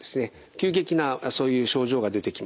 急激なそういう症状が出てきます。